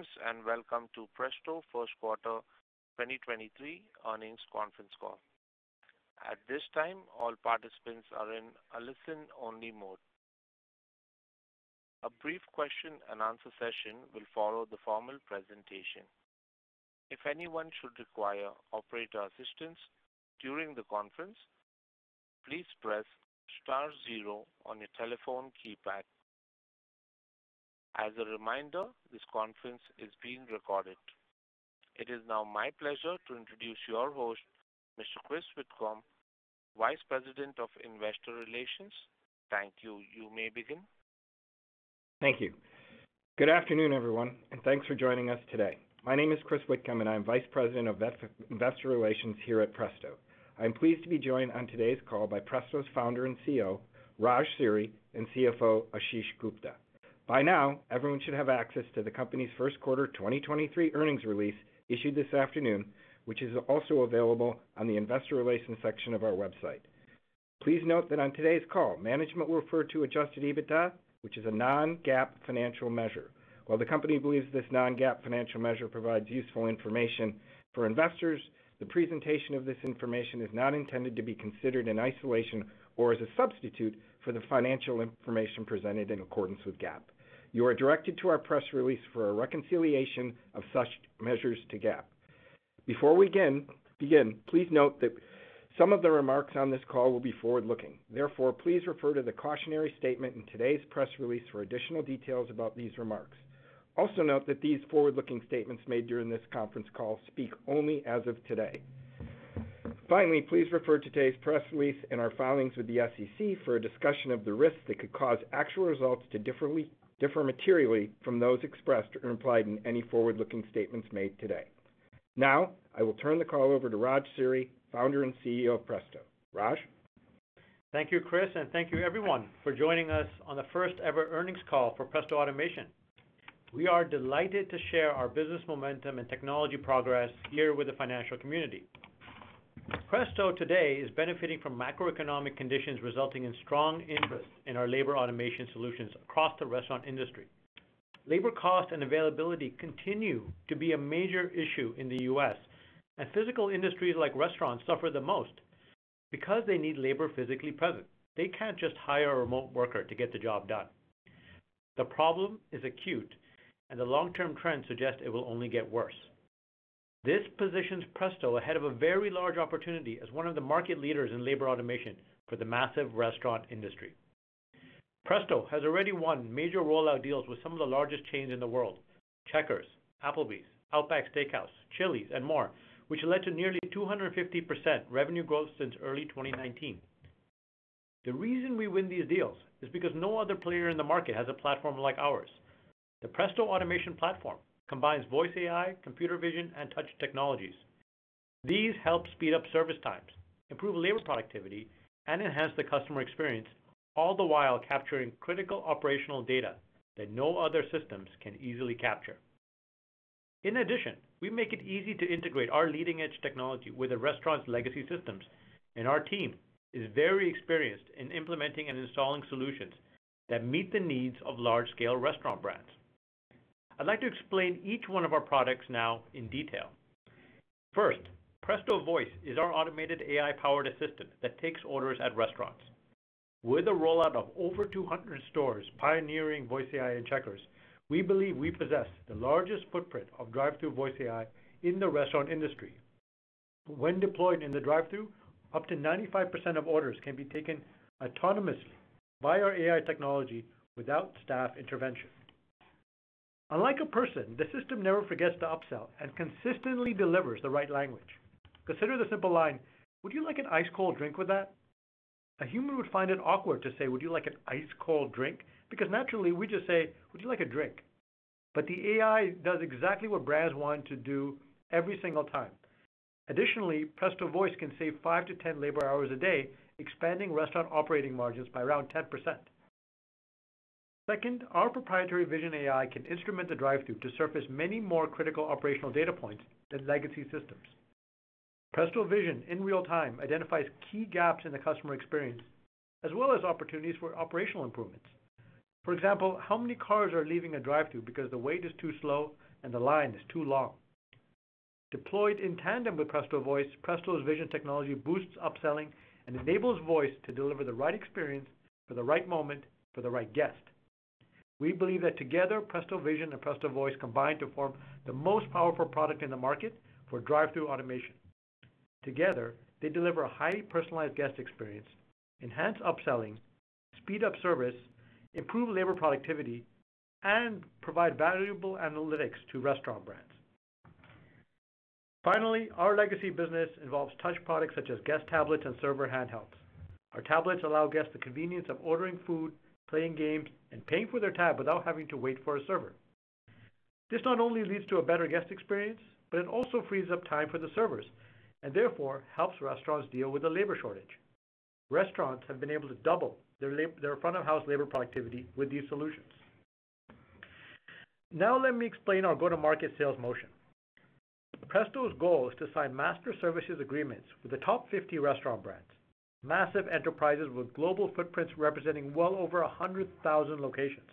Greetings, and welcome to Presto First Quarter 2023 Earnings Conference Call. At this time, all participants are in a listen only mode. A brief question and answer session will follow the formal presentation. As a reminder, this conference is being recorded. It is now my pleasure to introduce your host, Mr. Chris Whitcomb, Vice President of Investor Relations, thank you. You may begin. Thank you. Good afternoon, everyone, and thanks for joining us today. My name is Chris Whitcomb, and I'm Vice President of Investor Relations here at Presto. I'm pleased to be joined on today's call by Presto's Founder and CEO, I'm Raj Seery and CFO, Ashish Gupta. By now, everyone should have access to the company's Q1 2023 earnings release issued this afternoon, which is also available on the Investor Relations section of our website. Please note that on today's call, management will refer to adjusted EBITDA, which is a non GAAP financial measure. While the company believes this non GAAP financial measure provides useful information for investors, the presentation of this information is not intended to be considered in isolation or as a substitute for the financial information presented in accordance with GAAP. You are directed to our press release for a reconciliation of such measures to GAAP. Before we begin, please note that some of the remarks on this call will be forward looking. Therefore, please refer to the cautionary statement in today's press release for additional details about these remarks. Also note that these forward looking statements made during this conference call speak only as of today. Finally, please refer to today's press all participants made today. Now, I will turn the call over to Raj Siri, Founder and CEO of Presto. Raj? Thank you, Chris, and Thank you everyone for joining us on the first ever earnings call for Presto Automation. We are delighted to share our business Physical industries like restaurants suffer the most because they need labor physically present. They can't just hire a remote worker to get the job done. The problem is acute and the long term trend suggest it will only get worse. This positions Presto ahead of a very large opportunity as one of the market leaders in labor automation for the massive restaurant industry. Presto has already won major rollout deals with some of the largest chains in the world, Checkers, Applebee's, Outback Steakhouse, Chili's and more, which led to nearly 2 50 percent revenue growth since early 2019. The reason we win these deals is because no other player in the market has a platform like ours. The Presto Automation platform combines voice AI, computer vision and touch technologies. These help speed up service times, improve labor productivity And enhance the customer experience, all the while capturing critical operational data that no other systems can easily capture. In addition, we make it easy to integrate our leading edge technology with the restaurant's legacy systems and our team our customer is very experienced in implementing and installing solutions that meet the needs of large scale restaurant brands. I'd like to explain each one of our products now in detail. First, Presto Voice is our automated AI powered assistant that takes orders at restaurants. With the rollout of over 200 stores pioneering VoiceAI and Checkers, we believe we possess the largest footprint of drive thru VoiceAI in the restaurant industry. When deployed in the drive thru, up to 95% of orders can be taken autonomously by our AI technology without staff intervention. Unlike a person, the system never forgets to upsell and consistently delivers the right language. Consider the simple line, would you like an ice cold drink with that? A human would find it awkward to say, would you like an ice cold drink? Because naturally, we just say, would you like a drink? But the AI does exactly what brands want to do every single time. Additionally, Presto Voice can save 5 to 10 labor hours a day, expanding restaurant operating margins by around 10%. 2nd, our proprietary Vision AI can instrument the drive thru to surface many more critical operational data points than legacy systems. Presto Vision in real time identifies key gaps in the customer experience as well as opportunities for operational improvements. For example, how many cars are leaving a drive thru because the wait is too slow and the line is too long? Deployed in tandem with Presto Voice, Presto's vision technology boosts up our sales team is now ready to deliver the right experience for the right moment for the right guest. We believe that together Presto Vision and Presto Voice combined to form the most powerful product in the market for drive thru automation. Together, they deliver a highly personalized guest experience, enhance up selling, speed up service, improve labor productivity and provide valuable analytics to restaurant brands. Finally, our legacy business involves touch products such as guest tablets and server handhelds. Our tablets allow guests the convenience of ordering food, playing games and paying for their time without having to wait for a server. This not only leads to a better guest experience, but it also frees up time for the servers and therefore helps our restaurants have been able to double their front of house labor productivity with these solutions. Now let me explain our go to market sales motion. Presto's goal is to sign master services agreements with the top 50 restaurant brands, massive enterprises with global footprints representing well over 100,000 locations.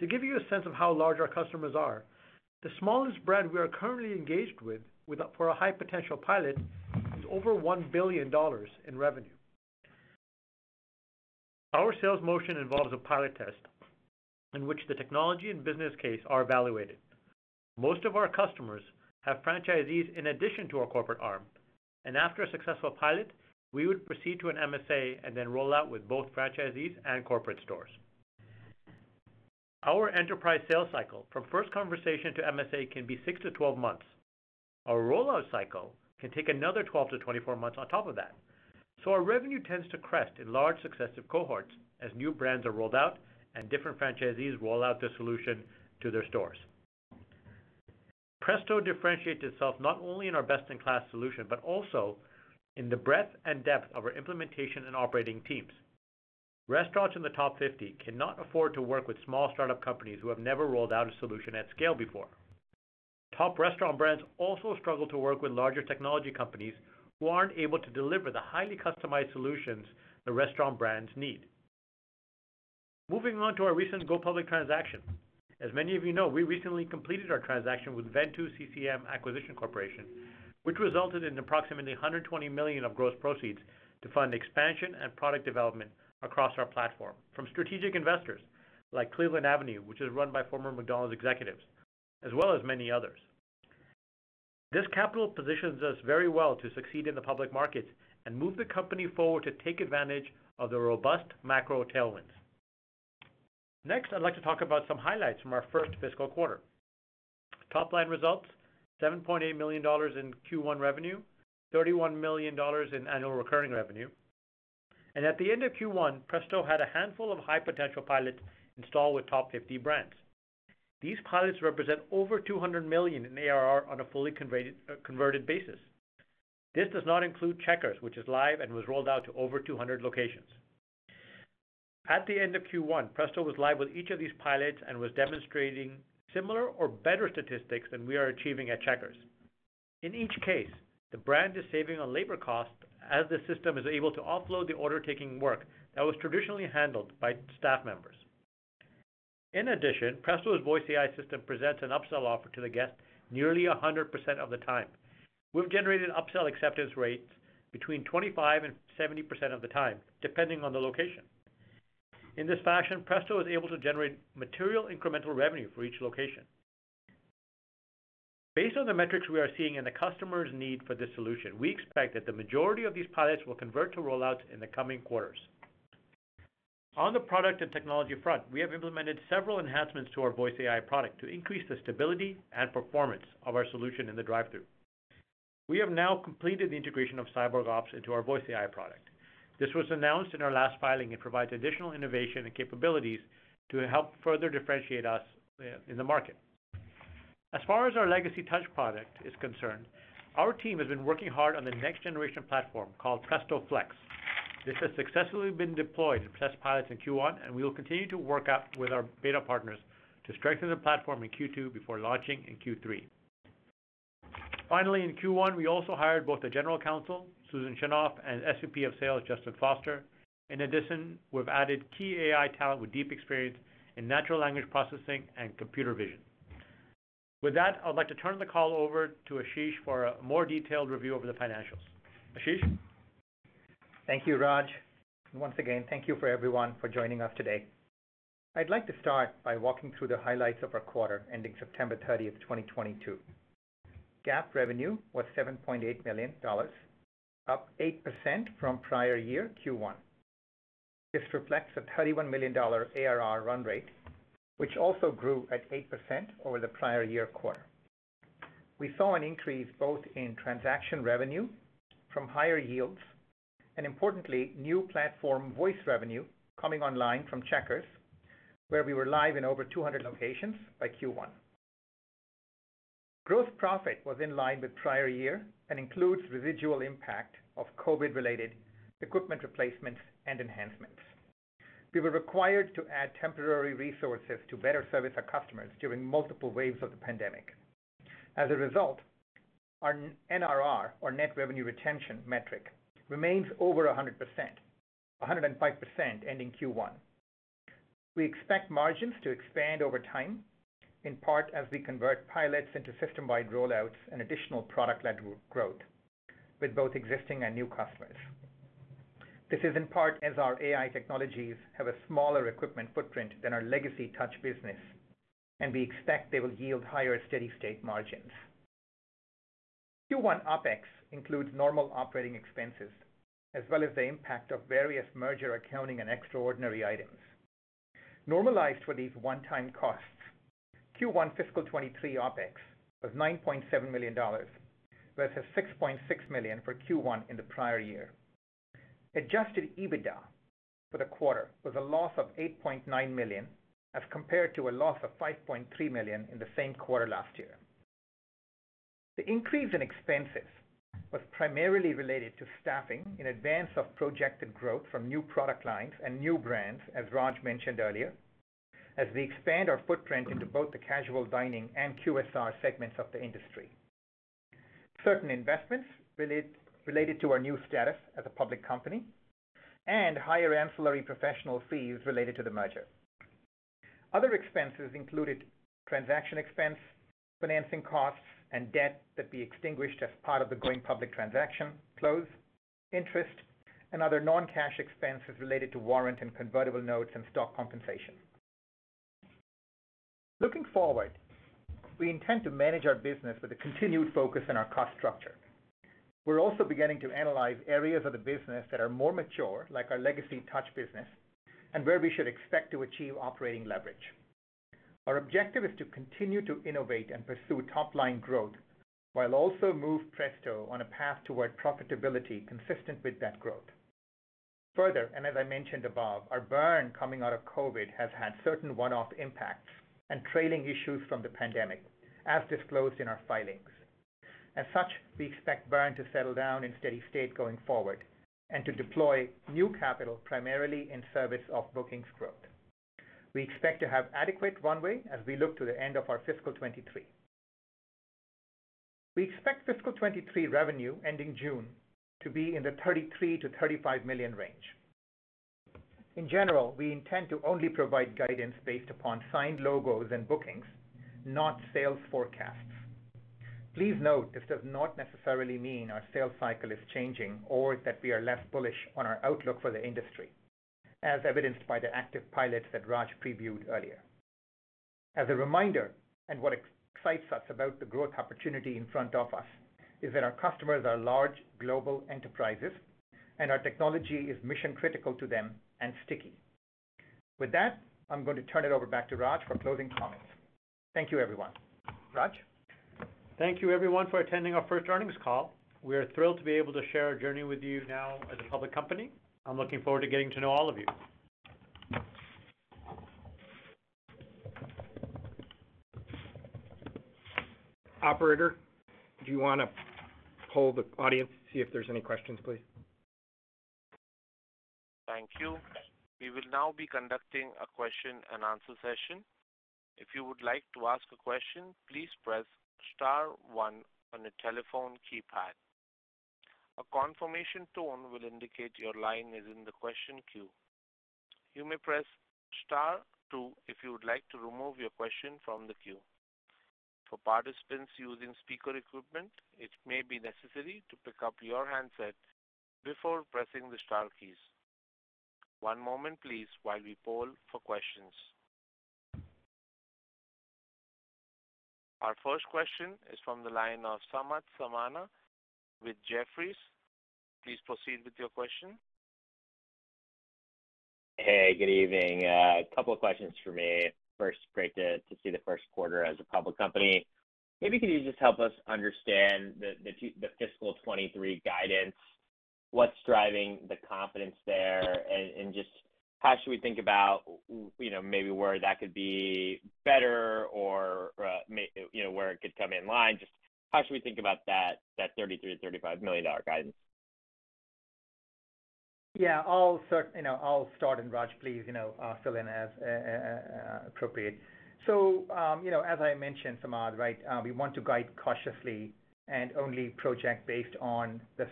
To give you a sense of how large our customers are, the smallest brand we are currently engaged with for a high potential pilot is over $1,000,000,000 in revenue. Our sales motion involves a pilot test in which the technology and business case are evaluated. Most of our customers have franchisees in addition to our corporate arm. And after a successful pilot, we would proceed to an MSA and then roll out with both franchisees And corporate stores. Our enterprise sales cycle from first conversation to MSA can be 6 to 12 months. Our rollout cycle can take another 12 months to 24 months on top of that. So our revenue tends to crest in large successive cohorts our expectations are not only in our best in class solution, but also in the breadth and depth of our implementation and operating teams. Restaurants in the top 50 cannot afford to work with small start up companies who have never rolled out a solution at scale before. Top restaurant brands also struggle to work with larger technology companies who aren't able to deliver the highly customized solutions the restaurant brands need. Moving on to our recent go public transaction. As many of you know, we recently completed our transaction with Ventu CCM Acquisition Corporation, which resulted in approximately $120,000,000 of gross proceeds to fund expansion and product development across our platform from strategic investors Like Cleveland Avenue, which is run by former McDonald's executives, as well as many others. This capital positions us very well to succeed in the public markets and move the company forward to take advantage of the robust macro tailwinds. Next, I'd like to talk about some highlights from our 1st fiscal quarter. Top line results $7,800,000 in Q1 revenue, dollars 31,000,000 in annual recurring revenue. And at the end of Q1, Presto had a handful of high potential pilots installed with top 50 brands. These pilots over $200,000,000 in ARR on a fully converted basis. This does not include Checkers, which is live and was rolled out to over 200 locations. At the end of Q1, Presto was live with each of these pilots and was demonstrating similar or better statistics than we are achieving at Checkers. In each case, the brand is saving on labor cost as the system is able to offload the order taking work that was traditionally handled by staff members. In addition, Presto's voice AI system presents an upsell offer to the guests nearly 100% of the time. We've generated upsell acceptance rates between 25% 70% of the time, depending on the location. In this fashion, Presto is able to generate material incremental revenue for each location. Based on the metrics we are seeing and the customers' need for this solution, we expect that the majority of these pilots will convert to rollouts in the coming quarters. On the product and technology front, we have implemented several enhancements to our voice AI product to increase the stability and performance of our solution in the drive thru. We have now completed the integration of CyberOps into our VoiceAI product. This was announced in our last filing and provides additional innovation and capabilities to help further differentiate us in the market. As far as our legacy touch product is concerned, our team has been working hard on the next generation platform call Presto Flex. This has successfully been deployed to test pilots in Q1 and we will continue to work out with our beta partners to strengthen the platform in Q2 before launching in Q3. Finally, in Q1, we also hired both the General Counsel, Susan Shenoff and SVP of Sales, Justin Foster. In addition, we've added key AI talent with deep experience in natural language processing and computer vision. With that, I'd like to turn the call over to Ashish for a more detailed review of the financials. Ashish? Thank you, Raj. Once again, thank you for everyone for joining us today. I'd like to start by walking through the highlights of our quarter ending September 30, 2022. GAAP revenue was $7,800,000 up 8% from prior year Q1. This reflects a $31,000,000 ARR run rate, which also grew at 8% over the prior year quarter. We saw an increase both in transaction revenue from higher yields and importantly, our Form Voice revenue coming online from Checkers, where we were live in over 200 locations by Q1. Gross profit was in line with prior year and includes residual impact of COVID related equipment replacements and enhancements. We were required to add temporary resources to better service our customers during multiple waves of the pandemic. As a result, our NRR or net revenue retention metric remains over 100% 105% ending Q1. We expect margins to expand over time, in part as we convert pilots into system wide rollouts and additional product led growth with both existing and new customers. This is in part as our AI technologies have a smaller equipment footprint than our legacy touch business and we expect they will yield higher steady state margins. Q1 OpEx includes normal operating expenses as well as the impact of various merger accounting and extraordinary items. Normalized for these one time costs, Q1 fiscal 2023 OpEx was $9,700,000 versus $6,600,000 for Q1 in the prior year. Adjusted EBITDA for the quarter was a loss of $8,900,000 as compared to a loss of $5,300,000 in the same quarter last year. The increase in expenses was primarily related to staffing in advance of projected growth from new product lines and new brands, as Raj mentioned earlier, as we expand our footprint into both the casual dining and QSR segments of the industry. Certain investments related to our new status as a public company and higher ancillary professional fees related to the merger. Other expenses included transaction expense, financing costs and debt that we extinguished as part of the going public transaction, close, interest and other non cash expenses related to warrant and convertible notes and stock compensation. Looking forward, we intend to manage our business with a continued focus on our cost structure. We're also beginning to analyze areas of the business that are more mature like our legacy touch business and where we should expect to achieve operating leverage. Our objective is to continue to innovate and pursue top line growth, I'll also move Presto on a path toward profitability consistent with that growth. Further, and as I mentioned above, our burn coming out of COVID has had certain all of the factors are being made in the 1 off impacts and trailing issues from the pandemic as disclosed in our filings. As such, we expect Byrne to settle down in steady state going forward and to deploy new capital primarily in service of bookings growth. We expect to have adequate runway as we look to the end of our fiscal 2023. We expect fiscal 2023 revenue ending June to be in the $33,000,000 to $35,000,000 range. In general, we intend to only provide guidance based upon signed logos and bookings, not sales Please note this does not necessarily mean our sales cycle is changing or that we are less bullish on our outlook for the industry, as evidenced by the active pilots that Raj previewed earlier. As a reminder and what excites us about the growth opportunity in front of us our customers are large global enterprises and our technology is mission critical to them and sticky. With that, I'm going to turn it over back to Raj for closing comments. Thank you, everyone. Raj? Thank you, everyone, for attending our first earnings call. We are thrilled to be able to share our journey with you now as a public company. I'm looking forward to getting to know all of you. Operator, do you want to hold the audience to see if there's any questions, please? Thank you. We will now be conducting a question and answer session. Our first question is from the line of Samat Samana with Jefferies. Please proceed with your question. Hey, good evening. A couple of questions for me. First, great to see the first quarter as a public company, maybe could you just help us understand the fiscal 2023 guidance? What's driving the confidence there? And just how should we think about maybe where that could be better or where it How should we think about that $33,000,000 $35,000,000 guidance? Yes. I'll start and Todd and Raj, please fill in as appropriate. So, as I mentioned Samad, right, we want to guide cautiously and only project based on the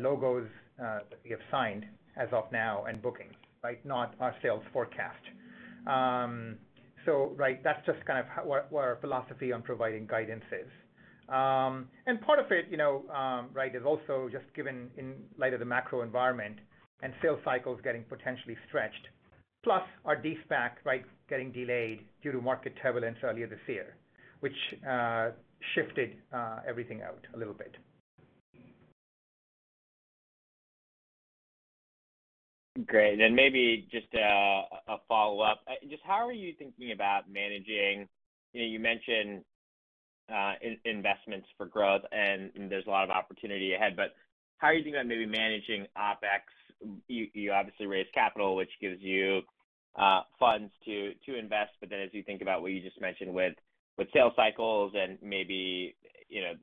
logos that we have signed as of now and bookings, right, not our sales forecast. So right, that's just kind of what our philosophy on providing guidance is. And part of it, right, is also just given in Shifted everything out a little bit. Great. And then maybe just a follow-up. Just how are you thinking about managing, you mentioned investments for growth and there's a lot of opportunity ahead, but how are you thinking about maybe managing OpEx? You obviously raised capital, which gives you funds to invest, but then as you think about what you just mentioned with sales cycles and maybe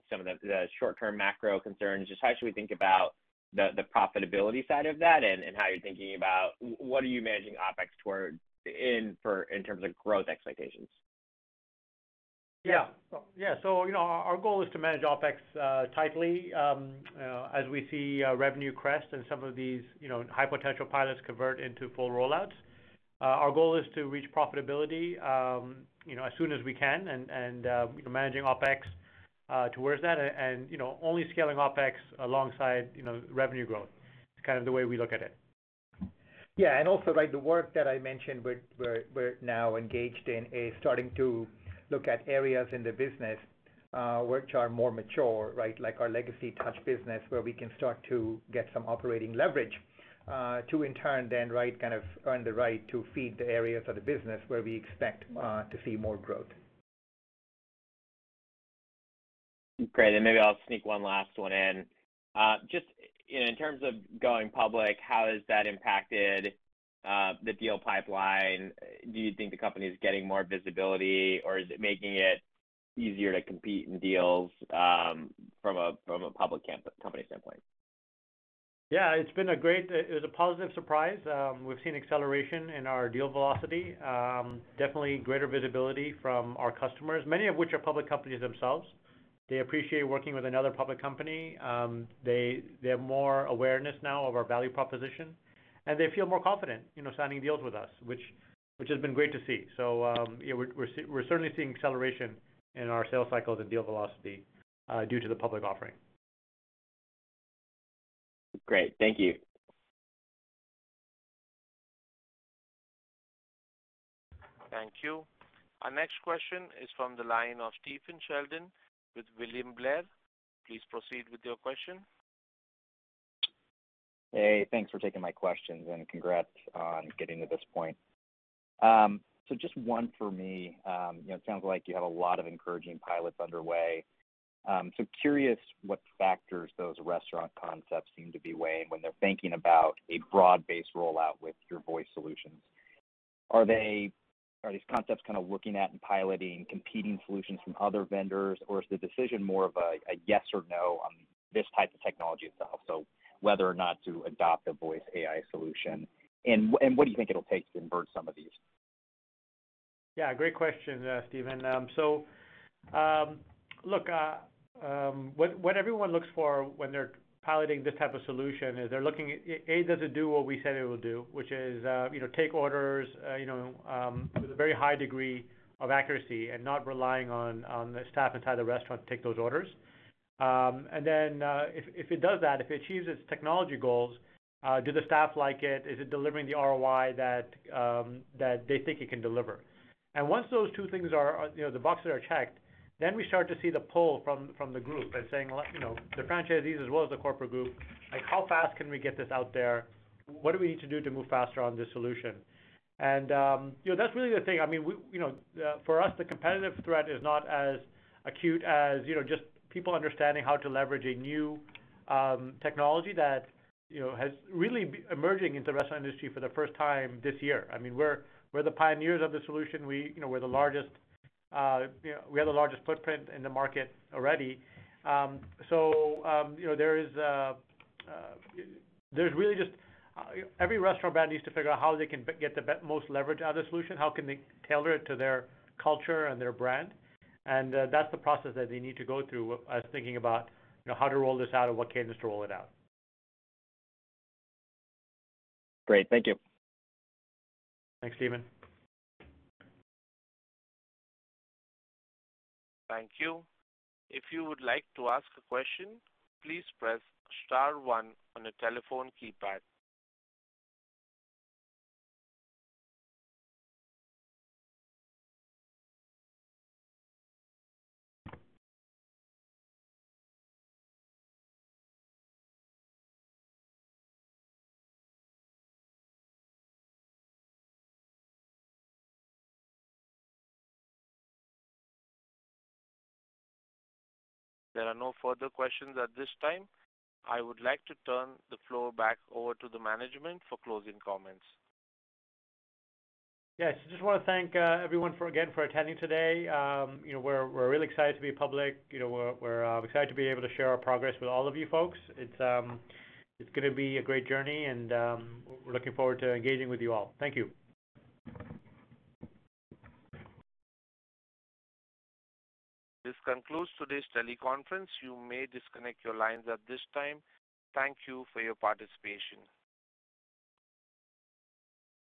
some of the short term macro Just how should we think about the profitability side of that and how you're thinking about what are you managing OpEx toward in terms of growth expectations? Yes. So our goal is to manage OpEx tightly as we see revenue crest and some of these High potential pilots convert into full rollouts. Our goal is to reach profitability as soon as we can and managing OpEx towards that and only scaling OpEx alongside revenue growth. It's kind of the way we look at it. Yes. And also like the work that I mentioned we're now engaged in a starting to look at areas in the business, which are more mature, right, like our legacy touch business where we can start to get some operating leverage, to in turn then right kind of earn the right to feed the areas of the business where we expect to see more growth. Great. And maybe I'll sneak one last one in. Just in terms of going public, how has that impacted the deal pipeline, do you think the company is getting more visibility or is it making it easier to compete in deals From a public company standpoint. Yes, it's been a great it was a positive surprise. We've seen acceleration in our deal velocity, Definitely greater visibility from our customers, many of which are public companies themselves. They appreciate working with another public company. They have more awareness of our value proposition and they feel more confident signing deals with us, which has been great to see. So we're certainly seeing acceleration thank you. Our next question is from the line of Stephen Sheldon with William Blair, please proceed with your question. Hey, thanks for taking my questions and congrats on getting to this point. So just one for me. It sounds like you have a lot of encouraging pilots underway. So curious what factors those restaurant concepts seem When they're thinking about a broad based rollout with your voice solutions, are these concepts kind of looking at piloting competing solutions from other vendors or is the decision more of a yes or no on this type of technology itself? So Whether or not to adopt a voice AI solution? And what do you think it will take to invert some of these? Yes, great question, Stephen. So Look, what everyone looks for when they're piloting this type of solution is they're looking A doesn't do what we said it will do, which is take orders with a very high degree of accuracy and not relying on the staff inside the restaurant Take those orders. And then if it does that, if it achieves its technology goals, do the staff like it? Is it delivering the ROI That they think you can deliver. And once those two things are the boxes are checked, then we start to see the pull from the group by saying, The franchisees as well as the corporate group, like how fast can we get this out there? What do we need to do to move faster on this solution? And that's really the thing. I mean, For us, the competitive threat is not as acute as just people understanding how to leverage a new technology that Really emerging into the restaurant industry for the first time this year. I mean, we're the pioneers of the solution. We're the largest We have the largest footprint in the market already. So there There's really just every restaurant brand needs to figure out how they can get the most leverage out of the solution, how can they tailor it to their culture and their brand. And that's the process that we need to go through as thinking about how to roll this out or what cadence to roll it out. Great. Thank you. Thanks, Stephen. Thank you. There are no further questions at this time. I would like to turn the floor back over to the management for closing comments. Yes. I just want to thank everyone for again for attending today. We're really excited to be public. We're excited to be able to share our progress with all of you folks. It's going to be a great journey and we're looking forward to engaging with you all. Thank you. This concludes today's teleconference. You may disconnect your lines at this time. Thank you for your participation.